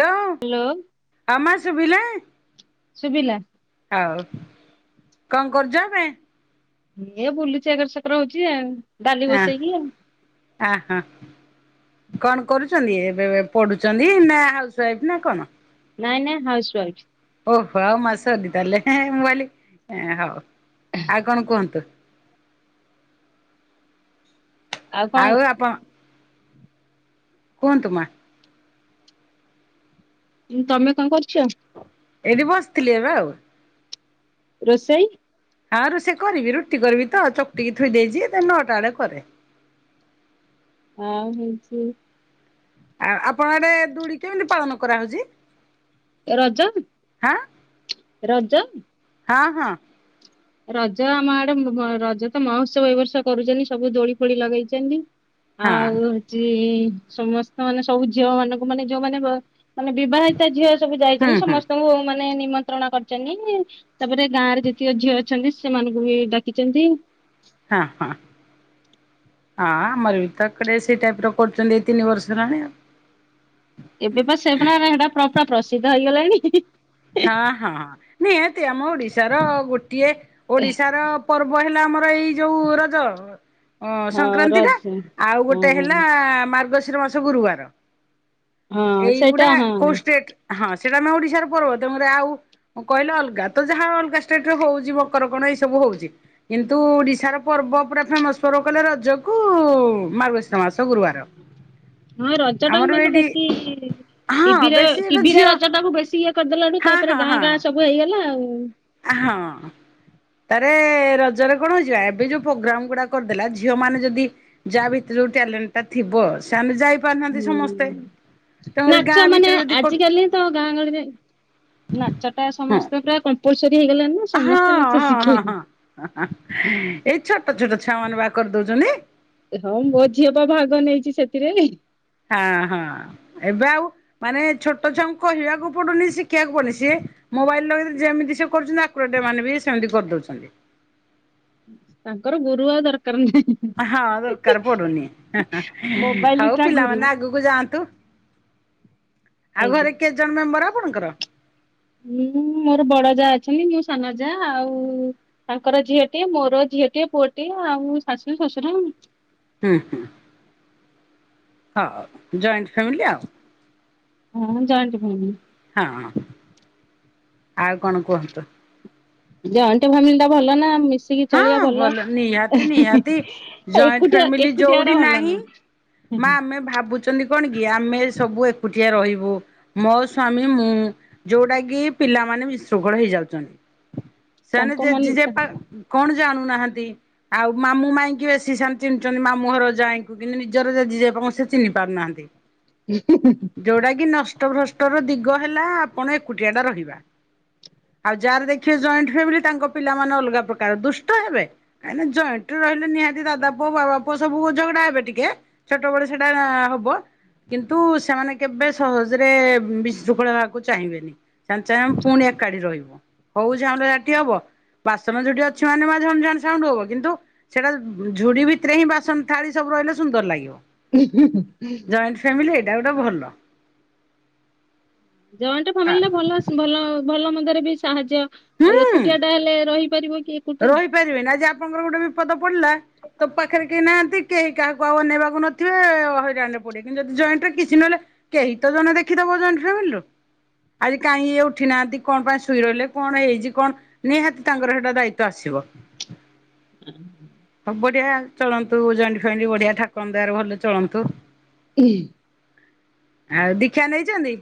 Hello. Hello. ଆମା ଶୁଭିଲା? ଶୁଭିଲା। ଆଉ କଣ କରୁଛନ୍ତି? ଏ ବୁଲୁଚି ଏକର ସେକର ହଉଛି ଆଉ ଡାଲି ବସେଇକି ଆଉ। ହ ହଁ। କଣ କରୁଚନ୍ତି ଏବେ ପଢୁଛନ୍ତି ନା ହାଉସ ୱାଇଫ ନା କଣ? ନାଇଁ ନାଇଁ ହାଉସୱାଇଫ୍। ଓହୋ ଆଉ ମାସ ଅଧି ତାହେଲେ ମୁଁ କହିଲି ହଉ ଆଉ କଣ କୁହନ୍ତୁ? ଆଉ ଆପଣ କୁହନ୍ତୁ ମା? ତମେ କଅଁ କରୁଚ? ଏଇଠି ବସିଥିଲି ପା ଆଉ। ରୋଷେଇ? ହଁ ଋଷେଇ କରିବି ରୁଟି କରିବି ତ ଚକଟିକି ଥୋଇ ଦେଇଚି ନଅଟା ବଡେ କରେ। ଆଉ ହୋଉଚି ଆଉ ଆପଣ ଆଡେ ଦୁଳି କେମିତି ପାଳନ କରାହୋଉଚି? ଏ ରଜ ରଜ ହଁ ହଁ। ରଜ ଆମ ଆଡେ ରଜ ତ ମହୋତ୍ସବ ଏ ବର୍ଷା କରୁଚନ୍ତି ସବୁ ଦୋଳି ଫୋଳି ଲଗେଇଚନ୍ତି। ହଁ ଆଉ ହୋଉଚି ସମସ୍ତ ମାନେ ସବୁ ଝିଅ ମାନଙ୍କୁ ମାନେ ଯୋଉମାନେ ମାନେ ବିବାହିତ ଝିଅ ସବୁ ହୁଁ ଯାଇଚନ୍ତି ହୁଁ ସମସ୍ତଙ୍କୁ ମାନେ ନିମନ୍ତ ଣ କରିଚନ୍ତି ତାପରେ ଗାଁରେ ଯେତିକି ଝିଅ ଅଛନ୍ତି ସେମାନଙ୍କୁ ବି ଡାକିଚନ୍ତି। ହଁ ହଁ। ହଁ ଆମର ବି ତ କଡେ ସେଇ ଟାଇପ୍ ର କରୁଚନ୍ତି ଏଇ ତିନି ବର୍ଷହେଲାଣି ଆଉ। ଏବେ ପା ସେପ ନାରେ ହେଟା ପ୍ର ପ୍ରସିଦ୍ଧ ହେଇଗଲାଣି। ହଁ ହଁ ହଁ ନିହାତି ଆମ ଓଡିଶାର ଗୋଟିଏ ଓଡିଶାର ପର୍ବ ହେଲା ଆମର ଏଇ ଯୋଉ ରଜ। ଓ ହଁ ସଂକ୍ରାନ୍ତି ଟା ରଜ ଆଉ ହଁ ଗୋଟେ ହେଲା ମାର୍ଗଶିର ମାସ ଗୁରୁବାର। ହଁ ସେଇଟା ଏଇଗୁଡା ହଁ କୋଷ୍ଟେଟ ହଁ ସେଟା ଆମେ ଓଡିଶାର ପର୍ବ। ତମର ଆଉ କହିଲେ ଅଲଗା ତ ଯାହା ଅଲଗା ଷ୍ଟେଟ ରେ ହୋଉଚି ମକର କଣ ଏଇ ସବୁ ହୋଉଚି। କିନ୍ତୁ ଓଡିଶାର ପର୍ବ ପୁରା ଫେମସ ପର୍ବ କହିଲେ ରଜକୁ ମାର୍ଗଶୀର ମାସ ଗୁରୁବାର। ହଁ ରଜ ଟାକୁ ଆମର ମାନେ ଏଇଠି ବେଶୀ ହଁ ଟିଭିର ବେଶୀ ଏଟା ଟିଭିରେ ଝିଅ ରଜ ଟାକୁ ବେଶୀ ଇଏ କରିଦେଲାଠୁ ତା ହଁ ତାପରେ ଗାଁ ଗାଁ ସବୁ ହେଇଗଲା ଆଉ। ଆ ହଁ। ତାରେ ରଜରେ କଣ ହୋଉଚି ବା ଏବେ ଯୋଉ ପ୍ରୋଗ୍ରାମ ଗୁଡା କରିଦେଲା ଝିଅ ମାନେ ଯଦି ଯାହା ଭିତରେ ଯୋଉ ଟ୍ୟାଲେଣ୍ଟ ଟା ଥିବ ସେମାନେେ ଯାଇ ପାରୁନାହାନ୍ତି ହୁଁ ସମସ୍ତେ ତେଣୁକରି ନାଚ ଗାଁ ମାନେ ଭିତରେ ଯଦି ଆଜିକାଲି ତ ଗାଁ ଗହଳିରେ ନାଚ ଟା ହଁ ସମସ୍ତେ ପୁରା କମ୍ପଲସରି ହେଇଗଲାଣିି ନା। ହଁ ସମସ୍ତେ ନାଚ ହଁ ହଁ ଶିଖିଲେ। ହଁ। ଏଇ ଛୋଟ ଛୋଟ ଛୁଆ ମାନେ ପା କରି ଦୋଉଚନ୍ତି। ହଁ ମୋ ଝିଅ ପା ଭାଗ ନେଇଚି ସେଥିରେ। ହା ହଁ ଏବେ ଆଉ ମାନେ ଛୋଟ ଛୁଆଙ୍କୁ କହିବାକୁ ପଡୁନି ଶିଖେଇବାକୁ ପଡୁନି ସିଏ ମୋବାଇଲ୍ ଲଗେଇଦେଇକି ଯେମିତି ସେ କରୁଚନ୍ତି ଆକୁରେଟ୍ ଏମାନେ ବି ସେମିତି କରିଦୋଉଚନ୍ତି। ତାଙ୍କର ଗୁରୁ ଆଉ ଦରକାର ନାହିଁ। ହଁ ଦରକାର ପଡୁନି ମୋବାଇଲ ହୋଉ ଟା ଗୁରୁ ପିଲାମାନେ ଆଗକୁ ଯାଆନ୍ତୁ। ଆଉ ଘରେ ଆଜ୍ଞା। କେତେ ଜଣ ମେମ୍ବର ଆପଣଙ୍କର? ହୁଁ ମୋର ବଡ ଯା ଅଛନ୍ତି ମୁଁ ସାନ ଯା ଆଉ ତାଙ୍କର ଝିଅଟିଏ ମୋର ଝିଅଟିଏ ପୁଅଟିଏ ଆଉ ଶାଶୁ ଶ୍ୱଶୁର। ହୁଁ ହୁଁ। ହଁ ଜଏଣ୍ଟ ଫ୍ୟାମିଲି ଆଉ। ହୁଁ ଯଏଣ୍ଟ ଫ୍ୟାମିଲି। ହଁ ଆଉ କଣ କୁହନ୍ତୁ? ଜଏଣ୍ଟ ଫ୍ୟାମିଲି ଟା ଭଲ ନା ମିଶ୍ ମିଶିକି ହଁ ଚଳିବା ଭଲ ନିହାତି ନିହାତି ଜଏଣ୍ଟ ଏକୁଟିଆ ଫ୍ୟାମିଲି ଏକୁଟିଆ ଯୋଉଠି ଟା ଭଲ ନାହିଁ ନୁହେଁ। ମା ଆମେ ଭାବୁ ଛନ୍ତି କଣକି ଆମେ ସବୁ ଏକୁଟିଆ ରହିବୁ, ମୋ ସ୍ଵାମୀ ମୁଁ ଯୋଉଟାକି ପିଲାମାନେ ବିଶୃଙ୍ଖଳ ହେଇଯାଉଚନ୍ତି। [inaudible] ସେମାନେ ଯେ ମନ ଯି ଯେ ପା କଣ ଜାଣୁ ନାହାନ୍ତି? ଆଉ ମାମୁଁ ମାଇଁକି ବେଶି ସେମାନେ ଚିହ୍ନିଚନ୍ତି ମାମୁ ଘର ଯାଇଁ କିନ୍ତୁ ନିଜର ଯଦି ଜେଜେ ସେଚିହ୍ନି ପାରୁନାହାନ୍ତି। [inaudible] [inaudible] ଯୋଉଟାକି ନଷ୍ଟ ଭ୍ରଷ୍ଟର ଦିଗ ହେଲା ଆପଣ ଏକୁଟିଆଟା ରହିବା। ଆଉ ଯାହାର ଦେଖିବେ ଜଏଣ୍ଟ ଫ୍ୟାମିଲି ତାଙ୍କ ପିଲାମାନେ ଅଲଗା ପ୍ରକାର ଦୁଷ୍ଟ ହେବେ କାହିଁକିନା ଜଏଣ୍ଟରେ ରହିଲେ ନିହାତି ଦାଦା ପୁଅ ବାବା ପୁଅ ସବୁ କ ଝଗଡ଼ା ହେବେ ଟିକେ ଛୋଟବେଳେ ସେଟା ହବ। କିନ୍ତୁ ସେମାନେ କେବେ ସହଜରେ ବିଶୃଙ୍ଖଳା ହେବାକୁ ଚାହିଁବେନି। ସେମାନେ ଚାହିବେ ଆମେ ପୁଣି ଏକାଠି ରହିବୁ, ହଉଚି ଆମର ହେଟି ହବ ବାସନ ଯୋଉଠି ଅ ଅଛି ମାନେ ମା ଝଣ୍ ଝଣ୍ ସାଉଣ୍ଡ ହବ କିନ୍ତୁ ସେଟା ଝୁଡ଼ି ଭିତରେହିଁ ବାସନ ଥାଳି ସବୁ ରହିଲେ ସୁନ୍ଦର ଲାଗିବ। [inaudible] ଜଏଣ୍ଟ ଫ୍ୟାମିଲି ହେଇଟା ଗୋଟେ ଭଲ। ଜଏଣ୍ଟ ଫ୍ୟାମିଲିଟା ଭଲ ଭଲ ଭଲ ମନ୍ଦରେବି ସାହାଯ୍ୟ ଆଉ ଏକୁଟିଆଟା ହେଲେ ରହିପାରିବକି ଏକୁଟିଆ। ପାରିବେନା ଆଜି ଆପଣଙ୍କର ଗୋଟେ ବିପଦ ପଡ଼ିଲା ତୋ ପାଖରେ କେହି ନାହାନ୍ତି କେହି କାହାକୁ ଆଉ ଅନେଇବାକୁ ନଥିବେ ହଇରାଣରେ ପଡ଼ିବେ, କିନ୍ତୁ ଯଦି ଜଏଣ୍ଟରେ କିଛି ନହେଲେ କେହିତ ଜଣେ ଦେଖିଦବ ଜଏଣ୍ଟ ଫ୍ୟାମିଲିରୁ। ଆଜି କାହିଁ ଇଏ ଉଠି ନାହାନ୍ତି, କଣ ପାଇଁ ଶୁଇ ରହିଲେ, କଣ ହେଇଚି, କଣ ନିହାତି ତାଙ୍କର ହେଟା ଦାୟି ତ ଆସିବ। [inaudible] ହ ବଢ଼ିଆ ଚଳନ୍ତୁ ଜଏଣ୍ଡେ ଫ୍ୟାମିଲି ବଢିଆ ଠାକୁର ଦୟାରେ ଭଲ ଚଳନ୍ତୁ। [inaudible] ଆଉ ଦୀକ୍ଷା ନେଇଚନ୍ତି?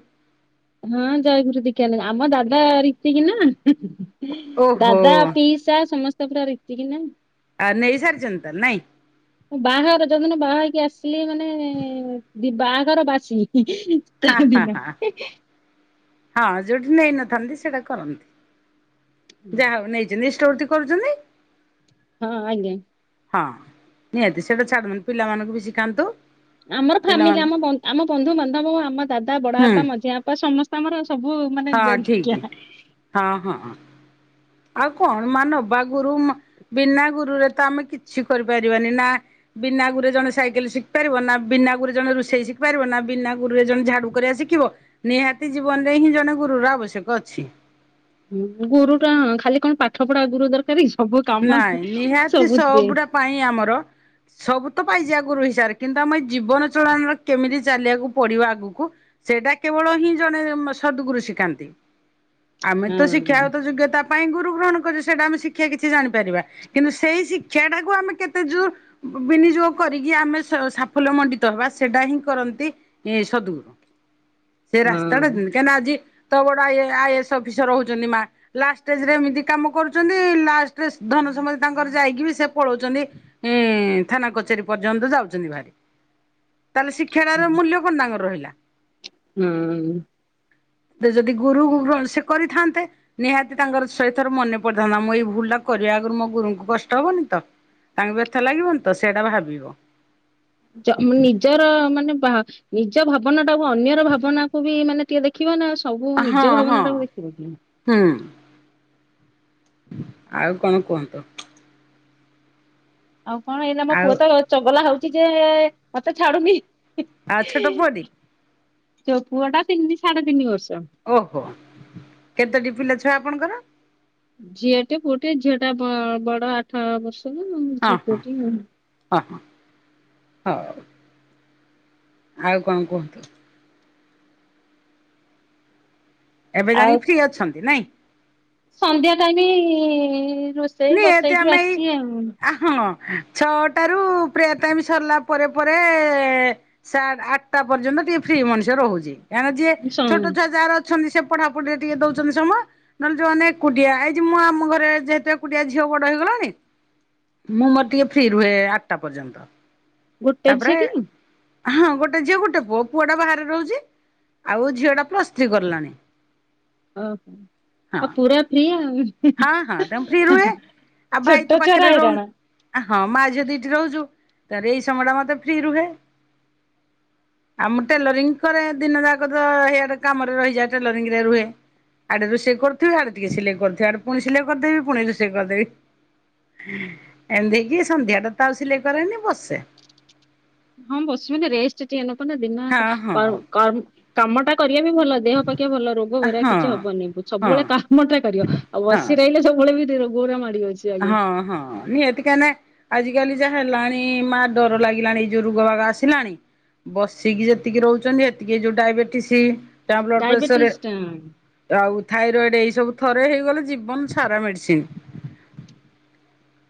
ହଁ ଜୟଗୁରୁ ଦିଖା ନେ ଆମ ଦାଦା ରୀତିକିନା ହୁ ହୁ। ଓହୋ ଦାଦା ପିଇସା ସମସ୍ତେ ପୁରା ରୀତିକିନା। ଆ ନେଇ ସାର୍ଚନ୍ତି ତାହାନେ ନାଇଁ? ମୁଁ ବାହାହବା ଯଉଦିନ ବାହା ହେଇକି ଆସିଲି ମାନେ ବାହାଘର ବାସି ହିଁ ହା ହା ହା ହଁ ଯୋଉଠି ନେଇନଥାନ୍ତି ସେଇଟା କରନ୍ତି। ଯାହାହଉ ନେଇଛନ୍ତି ଇଷ୍ଟୋଭୁତି କରୁଚନ୍ତି? ହଁ ଆଜ୍ଞା। ହଁ ନିହାତି ସେଇଟା ଛାଦନ୍ ପିଲାମାନଙ୍କୁବି ଶିଖାନ୍ତୁ। ଆମର ଫ୍ୟାମିଲି ପିଲାମାନେ ଆମ ବ ଆମ ବନ୍ଧୁବାନ୍ଧବ ଆମ ଦାଦା ହୁଁ ବଡ଼ବାପା ମଝିଆ ବାପା ସମସ୍ତେ ଆମର ସବୁ ମାନେ ହଁ ଜଲଖିଆ ଠିକି ହଁ ହଁ। ଆଉ କଣ ମାନବା ଗୁରୁ ବିନା ଗୁରୁରେତ ଆମେ କିଛି କରିପାରିବାନି ନା ବିନା ଗୁରୁରେ ଜଣେ ସାଇକେଲ ଶିଖି ପାରିବ ନା ବିନା ଗୁରୁରେ ଜଣେ ରୋଷେଇ ଶିଖି ପାରିବ ନା ବିନା ଗୁରୁରେ ଜଣେ ଝାଡ଼ୁ କରିବା ଶିଖିବ। ନିହାତି ଜୀବନରେହିଁ ଜଣେ ଗୁରୁର ଆବଶ୍ୟକ ଅଛି। ଗୁରୁଟା ଖାଲି କଣ ପାଠ ପଢା ଗୁରୁ ଦରକାରକି ସବୁ କାମ ନାଇଁ ନିହାତି ସବୁଥିରେ। ସବୁଟା ପାଇଁ ଆମର ସବୁତ ପାଇଯିଆ ଗୁରୁ ହିଁସାବରେ କିନ୍ତୁ ଆମ ଏଇ ଜୀବନ ଚାଳନିର କେମିତି ଚାଲିବାକୁ ପଡ଼ିବ ଆଗକୁ ସେଟା କେବଳ ହିଁ ଜଣେ ସଦ୍ ଗୁରୁ ଶିକାନ୍ତି। ଆମେ ତ ହଁ ଶିକ୍ଷାଗତ ଯୋଗ୍ୟତା ପାଇଁ ଗୁରୁ ଗ୍ରହଣ କରୁ ସେଇଟା ଆମେ ଶିକ୍ଷା କିଛି ଜାଣିପାରିବା। କିନ୍ତୁ ସେଇ ଶିକ୍ଷା ଟାକୁ ଆମେ କେତେ ଯୁ ବିନିଯୋଗ କରିକି ଆମେ ସ-ସାଫଲ୍ୟ ମଣ୍ଡିତ ହବା ସେଟା ହିଁ କରନ୍ତି ଇ -ସଦ୍ ଗୁରୁ। ସେ ରାସ୍ତାଟା ଉଁ ହଁ। -କାହିଁନା ଆଜି ତ ବଡ ଆଇଏ- ଆଇଏସ୍ ଅଫିସର ହଉଚନ୍ତି ମା ଲାଷ୍ଟ୍ ଷ୍ଟେଜ୍ ରେ ଏମିତି କାମ କରୁଚନ୍ତି ଲାଷ୍ଟରେ ଧନ ସମ୍ପତ୍ତି ତାଙ୍କର ଯାଇକି ବି ସେ ପଳଉଚନ୍ତି ଇଁ- ଥାନା କଚେରୀ ପର୍ଯ୍ୟନ୍ତ ଯାଉଚନ୍ତି ଭାରି ତାହେଲେ ଶି କ୍ଷା ଟାର ମୂଲ୍ୟ କଣ ତାଙ୍କର ରହିଲା। ହୁଁ। ସେଯଦି ଗୁରୁଙ୍କୁ ଗ୍ରହଣ ସେ କରିଥାନ୍ତେ ନିହାତି ତାଙ୍କର ଶହେ ଥର ମନେ ପଡିଥାନ୍ତା ମୁଁ ଏଇ ଭୁଲ୍ ଟା କରିବା ଆଗରୁ ମୋ ଗୁରୁଙ୍କୁ କଷ୍ଟ ହବନି ତ ତାଙ୍କୁ ବ୍ୟଥା ଲାଗିବନି ତ ସେଟା ଭାବିବ। ଜ- ନିଜର ମାନେ ଭା -ନିଜ ଭାବନା ଟାକୁ ଅନ୍ୟର ଭାବନାକୁ ବି ମାନେ ଟିକେ ଦେଖ ଦେଖିବ ନା ସବୁ ହଁ ନିଜ ହଁ ଭାବନା ଟାକୁ ଦେଖିବ କି। ହୁଁ। ଆଉ କଣ କୁହନ୍ତୁ? ଆଉ କଣ ଏଇନା ମୋ ଆଉ ପୁଅ ତ ଚଗଲା ହଉଚି ଯେ ମତେ ଛାଡୁନି। ଆଉ ଛୋଟ ପୁଅଟି ମୋ ପୁଅଟା ତିନିି ସାଢେ ତିନି ବର୍ଷ। ଓହୋ କେତୋଟି ପିଲା ଛୁଆ ଆପଣଙ୍କର? ଝିଅ ଟେ ପୁଅଟେ ଝିଅ ଟା ବ- ବଡ ଆଠ ବର୍ଷର ହଁ ଝିଅ ହଁ ପୁଅ ଟି ଆଉ। ହଁ- ହଁ -ହଉ। ଆଉ କଣ କୁହନ୍ତୁ? ଏବେ ଯାଣି ଆଉ ଫ୍ରି ଅଛନ୍ତି ନାଇଁ? ସନ୍ଧ୍ୟା ଟାଇମି ରୋଷେଇ ନିହାତି ବସେଇକି ଆମେ ଏଇ ଆସଚି ଆଉ। ଆ ହଁ ଛଅଟାରୁ ପ୍ରେୟାର୍ ଟାଇମ୍ ସରଲା ପରେ ପରେ ସେ ଆଠଟା ପର୍ଯ୍ୟନ୍ତ ଟିକେ ଫ୍ରି ମଣିଷ ରହୁଚି କାରଣ ଯିଏ ସ ଛୋଟ ଛୁଆ ଯାହାର ଅଛନ୍ତି ସେ ପଢାପଢିରେ ଟିକେ ଦଉଚନ୍ତି ସମୟ ନହେଲେ ଯଉମାନେ ଏକୁଟିଆ ଏଇତି ମୁଁ ଆମ ଘରେ ଯେତେ କୁଟିଆ ଝିଅ ବଡ ହେଇଗଲାଣି ମୁଁ ମୋର ଟିକେ ଫ୍ରି ରୁହେ ଆଠଟା ପର୍ଯ୍ୟନ୍ତ। ଗୋଟେ ତାପରେ ଝିଅ କି ହଁ ଗୋଟେ ଝିଅ ଗୋଟେ ପୁଅ ପୁଅ ଟା ବାହାରେ ରହୁଚି ଆଉ ଝିଅ ଟା ପ୍ଲସ୍ ଥ୍ରୀ କଲାଣି। ଓ ପୁରା ଫ୍ରି ଆଉ। ହଁ -ହଁ ତେଣୁ ଫ୍ରି ରୁହେ ଆଉ ଭାଇ ଛୋଟ ତ ଛୁଆରା ପାଖେରେ ହଇରାଣ। ରହୁନ୍ ହଁ ମା ଝିଅ ଦି ଟି ରହୁଚୁ ତାରେ ଏଇ ସମୟ ଟା ମତେ ଫ୍ରି ରୁହେ। [inaudible] ଆଉ ମୁଁ ଟେଲରିଂ କରେ ଦିନ ଯାକ ତ ହିୟାଡ଼େ କାମରେ ରହିଯାଏ ଟେଲରିଂ ରେ ରୁହେ। ଆଡେ ରୋଷେଇ କରୁଥିବି ଆଡେ ଟିକେ ସିଲେଇ କରୁଥିବି ଆଡ଼େ ପୁଣି ସିଲେଇ କରିଦେବି ପୁଣି ରୋଷେଇ କରିଦେବି। ଏମିତି ହେଇ କି ସନ୍ଧ୍ୟା ଟା ତ ଆଉ ସିଲେଇ କରେନି ବସେ। ହଁ ବସିବେ ନା ରେଷ୍ଟ୍ ଟିକେ ନବନା ଦିନ ହଁ ଯାକ ହଁ କର୍ମ -କର୍ମ- କାମ ଟା କରିବା ବି ଭଲ। ଦେହ ପକ୍ଷେ ଭଲ ରୋଗ ବୈରାଗ ହଁ କିଛି ହବନି ହଁ ସବୁବେଳେ କାମଟା କରିବ। ଆଉ ହଁ ବସି ରହିଲେ ସବୁବେଳେ ବି ରୋଗ ଗୁଡା ମାଡ଼ି ବସିବ। ଆଗେ ହଁ- ହଁ ନିହାତି କାଇଁକିନା ଆଜିକାଲି ଯାହା ହେଲାଣି ମା ଡର ଲାଗିଲାଣି ଏଯଉ ରୋଗ ବାଗ ଆସିଲାଣି। ବସିକି ଯେତିକି ରହୁଚନ୍ତି ଏତିକିରେ ଯଉ ଡାଇବେଟିସ୍, ତା-ବ୍ଲଡ୍ ଡାଇବେଟିସ୍ ଟା ପ୍ରେସର୍ ଆଉ ଥାଇରଏଡ ଏଇ ସବୁ ଥରେ ହେଇଗଲେ ଜୀବନ୍ ସାରା ମେଡିସିନ୍।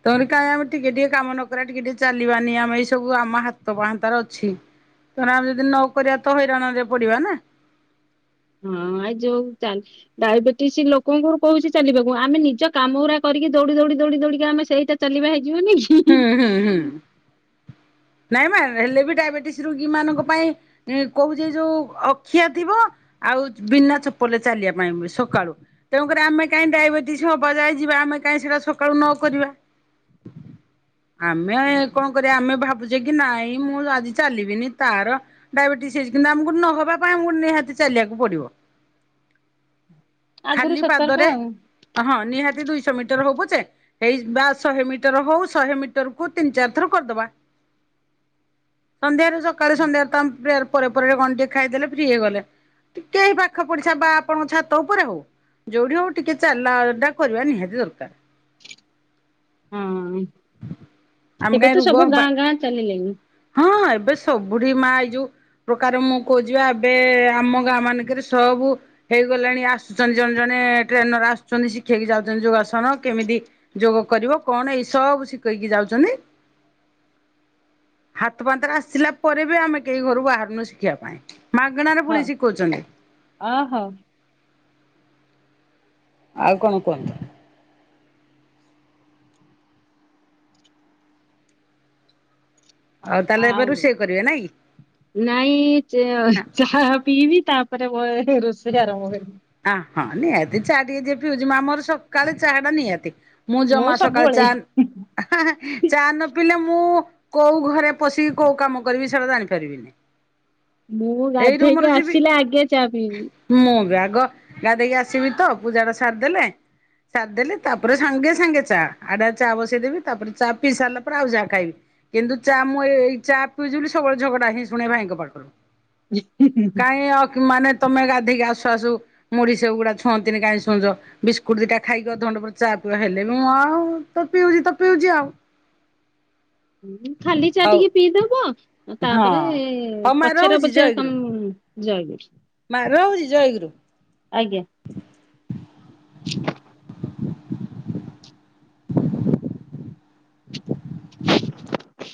[unintelligible] କାଇଁ ଆମେ ଟିକେ ଟିକେ କାମ ନ କରିବା ଟିକେ ଟିକେ ଚାଲିବାନି ଆମେ ଏଇ ସବୁ ଆମ ହାତ ପାହାନ୍ତାରେ ଅଛି। ତେଣୁ ଆମେ ଯଦି ନ କରିବା ତ ହଇରାଣରେ ପଡ଼ିବା ନା। ହଁ ଆ ଯୋଉ ଚାଲ ଡାଇବେଟିସ ଲୋକଙ୍କୁ କହୁଛି ଚାଲିବାକୁ ଆମେ ନିଜ କାମ ଉରା କରିକି ଦୌଡି ଦୌଡି ଦୌଡି ଦୌଡିକା ଆମେ ସେଇଟା ଚାଲିବା ହେଇଯିବନି କି। ହୁଁ ହୁଁ ହୁଁ। ନାଇଁ ମା ହେଲେ ବି ଡାଇବେଟିସ ରୋଗୀ ମାନଙ୍କ ପାଇଁ କହୁଛି ଏ ଯୋଉ ଅଖିଆ ଥିବ ଆଉ ବିନା ଚପଲେ ଚାଲିବା ପାଇଁ ସକାଳୁ। ତେଣୁ କରି ଆମେ କାହିଁ ଡାଇବେଟିସ୍ ହବା ଯାଏଁ ଯିବା ଆମେ କାଇଁ ସେଇଟା ସକାଳୁ ନ କରିବା। ଆମେ କଣ କରିବା ଆମେ ଭାବୁଛେ କି ନାଇଁ ମୁଁ ଆଜି ଚାଲିବିନି ତାର ଡାଇବେଟିସ ହେଇଚି କିନ୍ତୁ ଆମକୁ ନହବା ପାଇଁ ଆମକୁ ନିହାତି ଚାଲିବାକୁ ପଡ଼ିବ। [inaudible] ଆଗରୁ ଖାଲି ସତର୍କ ପାଦରେ ଆଉ ହଁ ନିହାତି ଦୁଇଶ ମିଟର ହଉ ପଛେ ଏଇ ବା ଶହେ ମିଟର ହଉ ଶହେ ମିଟର କୁ ତିନି ଚାରି ଥର କରିଦବା, ସନ୍ଧ୍ୟା ରେ ସକାଳେ ସନ୍ଧ୍ୟାରେ ତ ଆମେ ପ୍ରେୟାର ପରେ ପରେ କଣ ଟିକେ ଖାଇଦେଲେ ଫ୍ରି ହେଇଗଲେ। ଟିକେ ଏଇ ପାଖ ପଡ଼ିସା ବା ଆପଣଙ୍କ ଛାତ ଉପରେ ହଉ। ଯୋଉଠି ହଉ ଟିକେ ଚାଲା ଟା କରିବା ନିହାତି ଦରକାର। ହଁ। ଆମେ ଏବେ କାହିଁ ତ ରୋଗ ସବୁ ହବା ଗାଁ ଗାଁ ଚାଲିଲେଣି ହଁ ଏବେ ସବୁଠି ମା ଏଇ ଯୋଉ ପ୍ରକାର ମୁଁ କହୁଛି ବା ଏବେ ଆମ ଗାଁ ମାନଙ୍କରେ ସଅବୁ ହେଇଗଲାଣି ଆସୁଛନ୍ତି ଜଣେ ଜଣେ ଟ୍ରେନର ଆସୁଛନ୍ତି ଶିଖେଇକି ଯାଉଛନ୍ତି ଯୋଗାସନ କେମିତି ଯୋଗ କରିବ କଣ ଏଇ ସଅବୁ ଶିଖେଇକି ଯାଉଛନ୍ତି। ହାତ ପାହାନ୍ତା ରେ ଆସିଲା ପରେ ବି ଆମେ କେହି ଘରୁ ବାହାରୁନୁ ଶିଖିବା ପାଇଁ ମାଗଣାରେ ହଁ ପୁଣି ଶିଖଉଛନ୍ତି। ଅ ହୋ। ଆଉ କଣ କୁହନ୍ତୁ। ଆଉ ତାହେଲେ ଏବେ ରୁଷେଇ କରିବେ ନାଇ କି? ନାଇଁ ଚା ଚାହା ପିଇବି ତାପରେ ବହେ ରୋଷେଇ ଆରମ୍ଭ କରିବି। ଆ ହଁ ନିହାତି ଚାହା ଟିକେ ଯିଏ ପିଉଛି ମା ମୋର ସକାଳେ ଚାହା ଟା ନିହାତି। ମୁଁ ଜମା ସକାଳେ ଚା ହାଁ ହାଁ ଚା ନ ପିଇଲେ ମୁଁ କୋଉ ଘରେ ପଶିକି କୋଉ କାମ କରିବି ସେଇଟା ଜାଣିପାରିବିନି। ମୁଁ ଏଇ ରୁମରୁ ଗାଧେଇକି ଯିବି ଆସିଲେ ଆଗେ ଚା ପିଇବି। ମୁଁ ବି ଆଗ ଗାଧେଇକି ଆସିବି ତ ପୂଜା ଟା ସାରଦେଲେ ସାରିଦେଲି ତାପରେ ସାଙ୍ଗେ ସାଙ୍ଗେ ଚା ଆଡ଼ା ଚା ବସେଇଦେବି ତାପରେ ଚା ପିଇ ସାରିଲା ପରେ ଆଉ ଯାହା ଖାଇବି। କିନ୍ତୁ ଚା ମୁଁ ଏ ଏଇ ଚା ପିଉଛି ବୋଲି ସବୁବେଳେ ଝଗଡ଼ା ହିଁ ଶୁଣେ ଭାଇଙ୍କ ପାଖରୁ। କାଇଁ ଅକ ମାନେ ତମେ ଗାଧେଇକି ଆସୁ ଆସୁ ମୁଢି ସେ ଗୁଡା ଛଅନ୍ତିନି କାଇଁ ଛୁଞ୍ଚ। ବିସ୍କୁଟ ଦିଟା ଖାଇକି ଅଧ ଘଣ୍ଟେ ପରେ ଚା ପିଅ ହେଲେ ବି ମୁଁ ଆଉ ତ ପିଉଚି ତ ପିଉଚି ଆଉ। ଖାଲି ଚା ହଉ ଟିକେ ପିଇଦବ ହଁ ତାପରେ ହଉ ମା ପଛରେ ରହୁଛି ପଛେ ତ ଜୟଗୁରୁ ମ୍ ଜୟଗୁର୍। ମା ରହୁଛି ଜୟଗୁରୁ। ଆଜ୍ଞା।